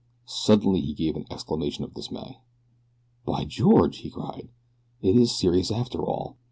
Suddenly he gave an exclamation of dismay. "By George!" he cried. "It is serious after all.